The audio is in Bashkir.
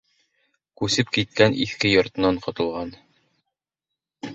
Күсеп киткән иҫке йортонан ҡотолған.